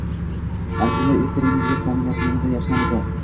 Andijonda elektr energiyasi ta’minoti yanada yaxshilanadi